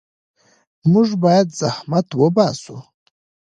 موږ باید زحمت وباسو.